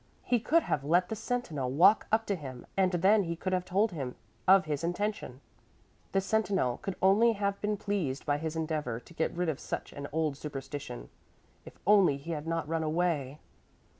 He could have let the sentinel walk up to him and then he could have told him of his intention. The sentinel could only have been pleased by his endeavor to get rid of such an old superstition. If only he had not run away!